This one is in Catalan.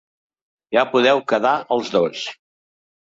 Ja podeu quedar els dos.